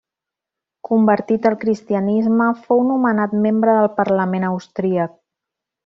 Convertit al cristianisme, fou nomenat membre del parlament austríac.